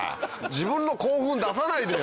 自分の興奮を出さないでよ！